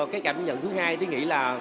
cái cảm nhận thứ hai tiến nghĩ là